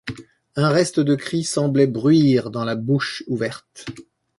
Un reste de cri semblait bruire dans la bouche ouverte.